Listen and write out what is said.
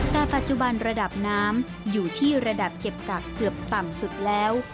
แต่ปัจจุบันระดับน้ำอยู่ที่ระดับเก็บกักเกือบต่ำสุดแล้ว